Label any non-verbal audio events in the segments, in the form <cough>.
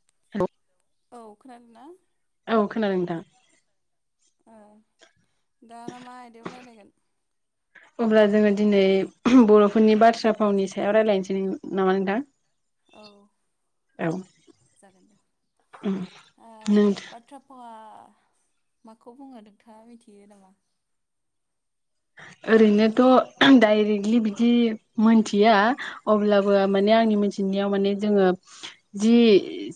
<unintelligible> औ खोनादों ना औ खोनादों नोंथां ओ दाना मा आयदायाव रायरायगोन अब्ला जोङो दिनै बर'फोरनि बाथ्रा फावनि सायाव रायज्लायनोसै नामा नोंथां औ औ जागोन दे ओ बाथ्रा फावा माखौ बुङो नोंथाङा मिथियो नामा ओरैनोथ' डाइरेक्टलि बिदि मोनथिया अब्लाबो माने आंनि मिथिनायाव माने जोङो जि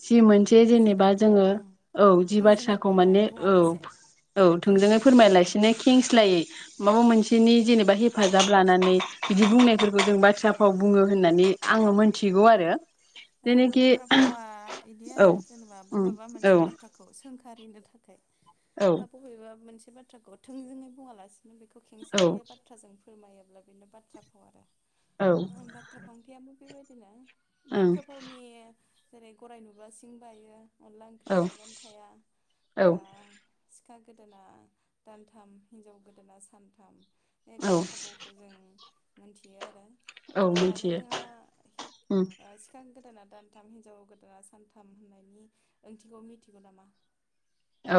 जि मोनसे जेनेबा जोङो औ जि बाथ्राखौ माने औ औ थोंजोङै फोरमायलासिनो खेंस्लायै माबा मोनसेनि जेनेबा हेफाजाब लानानै बिदि बुंनायफोरखौ जों बाथ्रा फाव बुङो होननानै आङो मोनथिगौ आरो बाथ्रा भावा इदि आरो जेनेबा बबेबा मोनसे बाथ्राखौ सोंखारिनो थाख <unintelligible> बा बबेबा मोनसे बे बाथ्राखौ थोंजोङै बुङालासे नों बेखौ खेंसालिया बाथ्राजों फोरमायोब्ला बेनो बाथ्रा फाव आरो ओ बाथ्रा फांथायाबो बेबाय दिनो ओं <unintelligible> जेरै गराइ नुबा सिं बायो अनला ओंख्रियाव आगान थाया आ सिखा गोदोना दानथाम हिनजाव गोदोना सानथाम <inaudible> बाथ्रा फावखौ जों मोनथियो आरो दा नोंथाङा ओ <inaudible>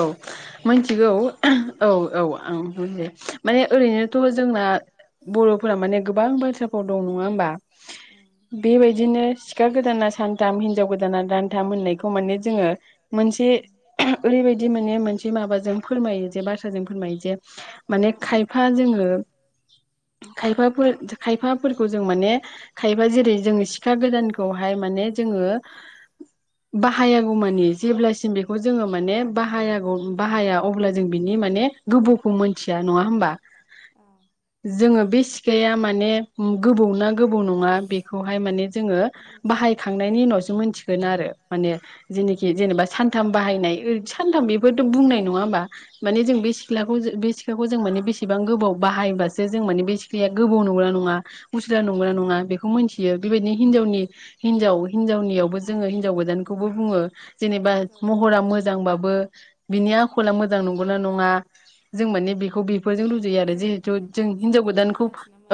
औ मिन्थिगौ औ औ आं <unintelligible> माने ओरैनोथ' जोंना बर'फोरा माने गोबां बाथ्राफाव दं नङा होमबा बेबायदिनो सिखा गोदाना सानथाम हिनजाव गोदाना दानथाम होननायखौ माने जोङो मोनसे ओरैबायदि माने मोनसे माबाजों फोरमायो जे बाथ्राजों फोरमायो जे माने खायफा जोङो खायफाफोर खायफाफोरखौ जों माने खायबा जेरै जोङो सिखा गोदानखौहाय माने जोङो बाहायागौमानि जेब्लासिम बेखौ जोङो माने बाहागौ बाहाया अब्ला जों बिनि माने गोबौखौ मोनथिया नङा होमबा जोङो बे सिखाया माने गोबौ ना गोबौ नं ना बेखौहाय माने जोङो बाहायखांनायनि उनावसो मोनथिगोन आरो माने जेनेखि जेनेबा सानथाम बाहायनाय सानथाम बेफोरथ बुंनाय नङा होमबा माने जों बे सिख्लाखौ बे सिख्लाखौ जों माने बेसेबां गोबाव बाहायबासो जों माने बे सिख्लाया गोबाव नंगौ ना नङा उसला नंगौ ना नङा नङा बेखौ मोनथियो बेबादिनो हिनजावनि हिनजाव हिनजावनियावबो जोङो हिनजाव गोदानखौबो बुङो जेनेबा महरा मो मोजांबाबो बिनि आखला मोजां नंगौना नङा जों माने बेखौ बेफोरजों रुजुयो आरो जिहेथु जों हिनजाव गोदानखौ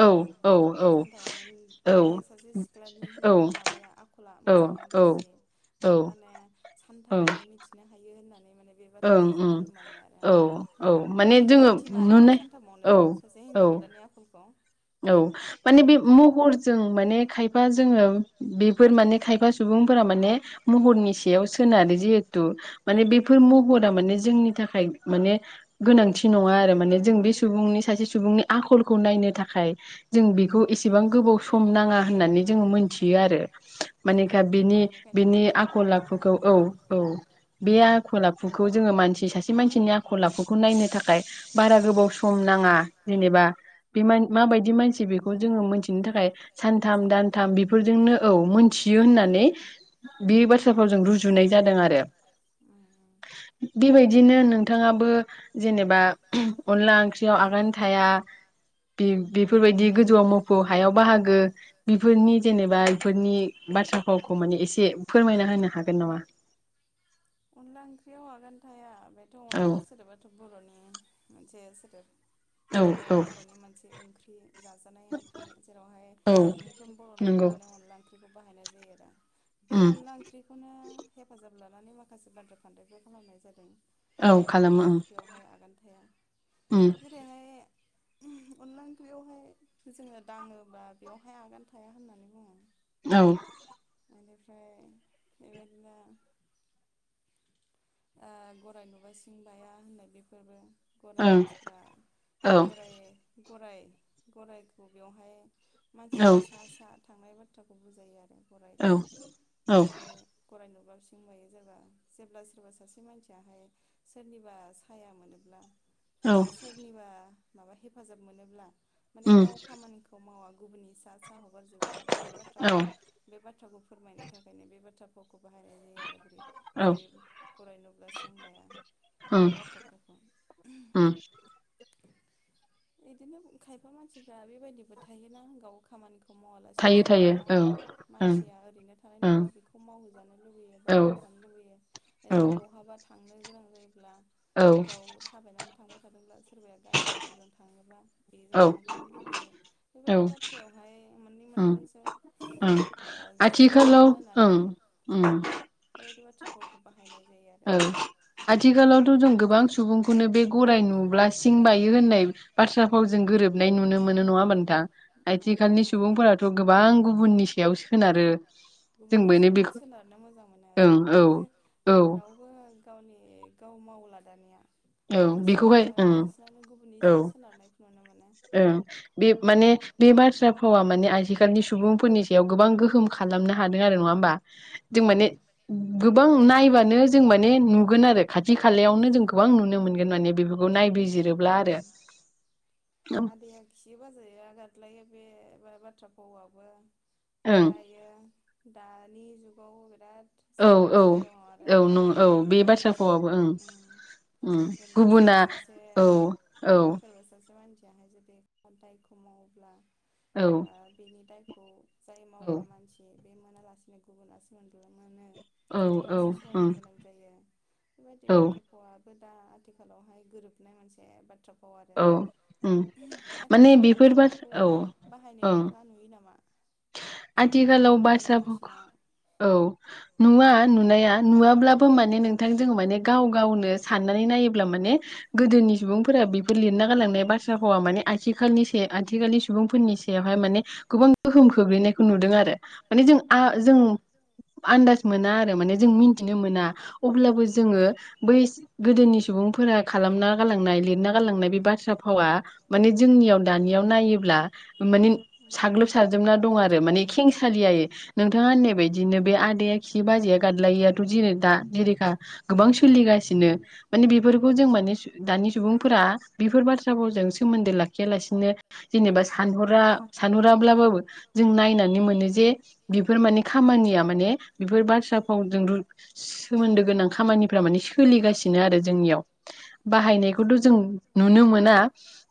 औ औ औ बे सासे सिख्लानि माबाया आखला मोजांना गाज्रि बेखौ माने सानथामावनो मिथिनो हायो होनना माने बे बाथ्राखौ जों फोरमायो उम मिथिमा आरोना सानथामावनो सासे हिनजाव गोदाननि आखलखौ औ माने बे महरजों माने खायफा जोङो बेफोर माने खायफा सुबुंफोरा माने महरनि सायाव सोनारो जिहेथु माने बेफोर महरा माने जोंनि थाखाय माने गोनांथि नङा आरो माने जों बे सुबुंनि सासे सुबुंनि आखलखौ नायनो था जों बेखौ इसेबां गोबाव सम नाङा होननानै जों मोनथियो आरो माने बिनि बिनि आखल आखुखौ औ बे आखल आखुखौ जोङो मानसि सासे मानसिनि आखल आखुखौ नायनो थाखाय बारा गोबाव सम नाङा जेनेबा बे मान माबायदि मानसि बेखौ जोङो मोनथिनो थाखाय सानथाम दानथाम बेफोरजोंनो औ मोनथियो होननानै बे बाथ्राफोराव जों रुजुनाय जादों आरो बेबायदिनो नोंथाङाबो जेनेबा अनला ओंख्रियाव आगान थाया बे बेफोरबायदि गोजौआव मोफौ हायाव बाहागो बेफोरनि जेनेबा बेफोरनि बाथ्रा फावखौ माने एसे फोरमायना होनो हागोन नामा अनला ओंख्रियाव आगान थाया थ अनला सोदोबाथ बर'नि मोनसे सोदोब अनलाया बर'नि मोनसे ओंख्रि बे जाजानाय ओंख्रि जेरावहाय मोनफ्रोम बर' नखरानो अनला ओंख्रिखौ बाहायनाय जायो आरो बे अनला ओंख्रिखौनो हेफाजाब लानानै माखासे बाथ्रा फान्दायबो खालामनाय जादों बे अनला ओंख्रियावहाय आगान थाया जेरैहाय अनला ओंख्रियावहाय जोङो दाङोबा बेवहाय आगान थाया होननानै बुङो औ बेनिफ्राय बेबाय <unintelligible> ओ गराय नुबा सिं बाया होननाय बेफोरबो गर मानसिफ्रा गराय गराय गरायखौ बेवहाय मानसिनि सा सा थांनाय ब खोथ्राखौ बुजायो आरो गरायखौ बेनिफ्राय गराय नुब्ला मायो जाबा जेब्ला सोरबा सोरबा सोरबा सासे मानसियाहाय सोरनिबा साया मोनोब्ला मा सोरनिबा माबा हेफाजाब मोनोब्ला माने गाव खामानिखौ मावा गुबुननि सा हगार जोबो बे बाथ्रा फाव बे बाथ्राखौ फोरमायनो थाखायनो बे बाथ्राफाव बाहायनाय जायो आरो जेरै गराय नुब्ला सिंबाया बे बाथ्राफावखौ बिदिनो खायफा मानसिफ्रा बेबायदिबो थायो ना गाव खामानिखौ खौ मावालासिनो सोरखौबा मानसिया ओरैनो थानाय नुब्ला बेखौ मावहोजानो लुुबैयो बा मावफानो लबैयो बिदिनो ब'हाबाथ थांनो गोनां जायो अब्ला गाव थाबायनानै थांबाय थादोंब्ला सोरबाया गारि मथरजों थाङोबा बेजों थांफानो लुगैयो बेबायदि बाथ्रायावहाय उम उम आथिखालाव ओं उम औ आथिखालावथ' जों गोबां सुबुंखौनो बे गराय नु सिं बायो होननाय बाथ्राफाव जों गोरोबनाय नुनो मोनो नङा होनबा नों दा आथिखालनि सुबुंफोराथ' गोबां गुबुननि सायावसो सोनारो गुबुननि सायावल' सोनारनो मोजां मोनो रावबो रावबो गावनि गाव मावला दानिया बांसिनानो बांसिनानो गुबुननि सायाव सोलारनायखौ नुनो मोनो ओ बे माने बे बाथ्रा फावा माने आथिखालनि सुबुं सुबुंफोरनि सायाव गोबां गोहोम खालामनो हादों आरो नङा होमबा जों माने गोबां नायबानो जों माने नुगोन आरो खाथि खालायावनो जों गोबां नुनो मोनगोन माने बेफोरखौ नायबिजिरोब्ला आरो आदाआ खियो बाजैया गाद्लायो बे बाथ्रा फावाबो दायो दानि जुगाव बिराद औ औ औ नं औ बे बाथ्रा फावाबो ओं उम गुबुना औ औ बेहाय जे बे खन्थाइखौ मा <unintelligible> ओ बिनि‌ दायखौ औ जाय मावग्रा मानसि बे मोनालासिनो गुबुनासो मोनबो मोनो गुबुनासो सहायनो गोनां जायो इफोर बादि बाथ्रा फावा दा आथिखालावहाय गोरोबनाय मोनसे बाथ्रा औ उम आथिखालाव बाथ्राखौ बाहायनाय नोंथाङा नुयो नामा आथिखालाव बासाबुखो नुवा नुनाया नुवाब्लाबो माने नोंथां जो माने गाव गावनो साननानै नायोब्ला माने गोदोनि सुबुंफोरा बेफोर लिरना गालांनाय बाथ्राफावा माने आथिखालनि सायाव आथिखालनि सुबुंफोरनि सायावहाय माने गोबां गोहोम खोग्लैनायखौ नुदों आरो माने जों आं जों आन्दाज मोना आरो माने जों मिन्थिनो मोना अब्लाबो जोङो बै गोदोनि सुबुंफोरा खालामना गालांनाय लिरना गालांनाय बे बाथ्रा फावा माने जोंनियाव दानियाव नायोब्ला माने साग्लोब सारजोबना दं आरो माने खेंसालि नोंथाङा होननाय बायदिनो बे आदाया खियो बाजैया गादलायोआथ' जै दा जेरेखा गोबां सोलिगासिनो माने बेफोरखौ जों माने सु दानि सुबुंफोरा बेफोर बाथ्राफोरजों सोमोन्दो लाखियालासिनो जेनेबा सानहरा सानहराब्लाबो जों नायनानै मोनो ज जे बेफोर माने खामानिया माने बेफोर बाथ्रा फावजों रु-सोमोन्दो गोनां खामानिफ्रा माने सोलिगासिनो आरो जोंनियाव बाहायनायखौथ' जों नुनो मोना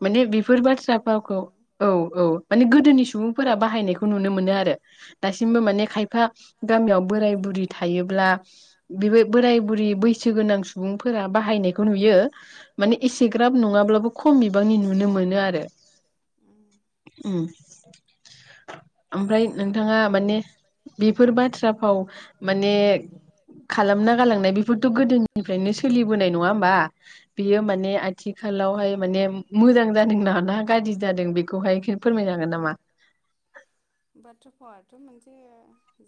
माने बेफोर बाथ्रा फावखौ औ औ माने गोदोनि सुबुं बाहायनायखौ नुनो मोनो आरो। दासिमबो माने खायफा गामियाव बोराय बुरि थायोब्ला बेबो बोराय बुरि बैसो गोनां सुबुंफोरा बाहायनायखौ नुयो माने एसेग्राब नङाब्लाबो खम बिबांनि नुनो मोनो आरो <inaudible> ओमफ्राय नोंथाङा माने बेफोर बाथ्रा फाव माने खालामना गालांनाय बेफोरथ' गोदोनिफ्रायनो सोलिबोनाय नङा होमबा बेयो माने आथिखालावहाय माने मोजां जादों ना ना गाज्रि जादों बेखौहाय फोरमायनो हांगोन नामा बाथ्रा फावाथ' मोनसे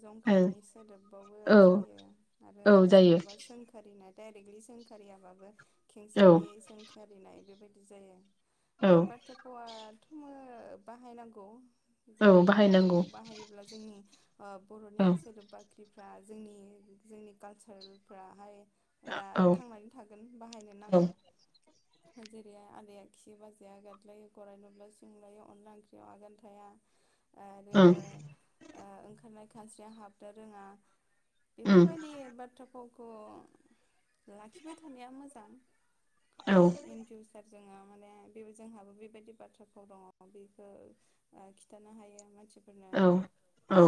जंखायनाय सोदोबबावबो जायो आरो सोरखौबा सोंखारिना डाइरेक्टलि सोंखारियाबाबो खेंसालियायै सोंखारिनाय बेबायदि जायो बा बाथ्रा भावाथ' जोङो बाहायनांगौ औ बाहायनांगौ जोंनि बर'नि सोदोब बाख्रि बिफ्रा जोंनि जोंनि कालसारेल फोराहाय दा थांनानै थागोन बाहायनो नांगौ जेरै आदाया खियो बाजैया आ गादलायो गराइ नुब्ला सिं बायो अनला ओंख्रियाव आगान थाया ओं खानस्रिया हाबनो रोङा बेफोरबायदि बाथ्रा फावखौ लाखिबाय थानाया मोजां इन फिउसार जोंहा माने बे जोंहाबो बेबायदि बाथ्रा फाव दङ बेखौ खिन्थानो हायो मानसि औ औ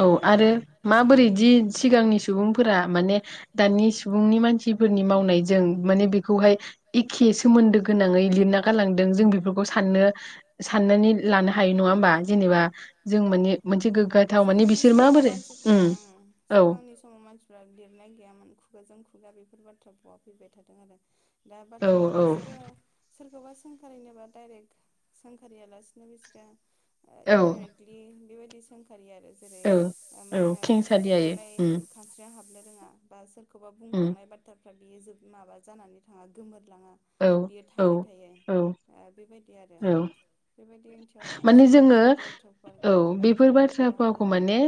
औ आरो माबोरैदि सिगांनि सुबुंफोरा माने दानि सुबुंनि मानसिफोरनि मावनायजों माने बेखौहाय एखे सोमोन्दो गोनाङै लिरना गालांदों जों बेफोरखौ साननो साननानै लानो हायो नङा होमबा जेनेबा औ सिगांनि समाव मानसिफ्रा ओं सिगांनि समाव मानसिफ्रा लिरनाय गैयामोन खुगाजों खुगा बेफोर बेफोर बाथ्रा फावा फैबाय थादों आरो दा बाथ्रा बिसोरो सोरखौबा सोंखारिनोबा डाइरेक्ट सोंखारियालासिनो बिसोरो इन्टारनेट बेबायदि सोंखारि आरो जेरै मा होनो ओंखारनाय खानस्रिया हाब हाबनो रोङा बा सोरबा खौबा बुंखांनाय बाथ्रा बियो जोब माबा जानानै थाङा गोमोर लाङा बियो थाबाय थायो बेबायदि बि आरो बेबायदि ओंथि बेवहाय बिसोरो बेबायदि बाथ्रा औ बेफोर बाथ्रा फावखौ माने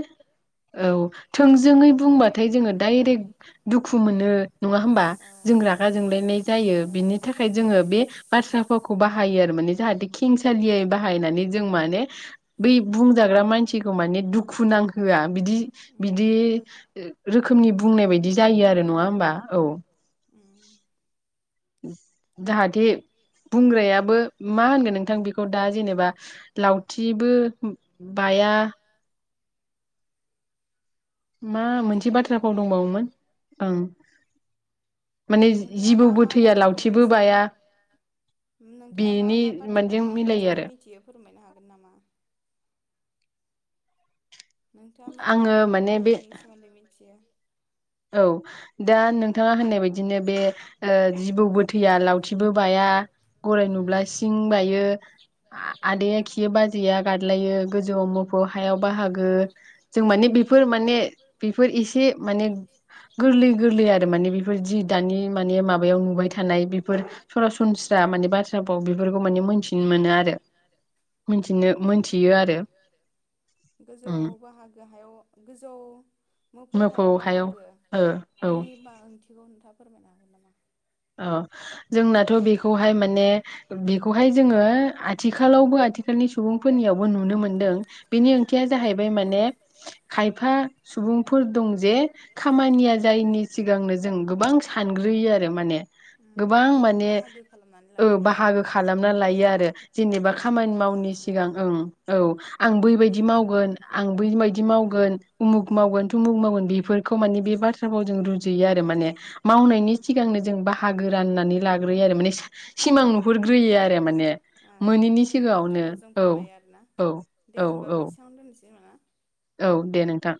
औ थोंजोङै बुंबाथाय जोङो डाइरेक्ट दुखु मोनो नङा होमबा जों रागा जोंलायनाय जायो बिनि थाखाय जोङो बे बाथ्रा फाव बाहायो आरो माने जाहाथे खेंसालियै बाहायनानै जों माने बै बुंजाग्रा मानसिखौ माने दुखु नांहोआ बिदि बिदि रोखोमनि बुंनाय बायदि जायो आरो नङा होनबा औ जाहाथे बुंग्रायाबो मा होनगोन नोंथां बेखौ दा जेनेबा लावथिबो बाया मा मोनसे बाथ्रा फाव दंबावोमोन ओं नोंथाङा मा मा बाथ्रा फावनि सोमोन नोंथाङा मा मा बाथ्रा फावनि ओंथिखौ मिथियो फोरमायनो हा नामा नोंथाङा मा मा बाथ्रा फावनि सोमोन्दै मिनथियो? औ दा नोंथाङा होननाय बायदिनो बे ओ जिबौ बो थैया लावथि बो बाया गराय नुब्ला सिं बायो आ-आदाया खियो बाजैया गादलायो गोजौआव मो फौ हायाव बाहागो जों माने बेफोर माने बेफोर एसे माने गोरलै गोरलै आरो माने बेफोर जि दानि माने माबायाव नुबाय थानाय बेफोर सरासनस्रा माने बाथ्राफाव बेफोरखौ माने मोनथिनो मोनो आरो मोनथिनो मोनथियो आरो गोजौआव बाहागो हायाव गोजौ मोफौ हायाव बाहागो बेनि बा ओंथिखौ नोंथाङा फोरमायनो हागोन <unintelligible> अ जोंनाथ' बेखौहाय माने बिखौहाय जोङो आथिखालावबो आथिखालनि सुबुंफोरनियावबो नुनो मोनदों बेनि ओंथिया जाहैबाय माने खायफा सुबुं फोर दं जे खामानिया जायैनि सिगांनो जों गोबां सानग्रोयो आरो माने गोबां माने ओ बाहागो खालामना लायो आरो जेनेबा खामानि मावनि सिगां ओं औ आं बैबायदि मावगोन आं बैबायदि माव मावगोन उमुक मावगोन थमुक मावगोन बिफोरखौ माने बे बाथ्रा फाव जों रुजुयो आरो माने। मावनायनि सिगांनो जों बाह गो राननानै लाग्रोयो आरो माने सा सिमां नुहुरग्रोयो आरो माने ओ बेखौनो बे बाथ्राफाव जों फोरमायो आरोना दे होमबा बेसाङावनो दोननोसै होनबा ना औ दे नोंथां